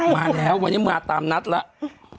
มาแล้ววันนี้มาตามนัดแล้ว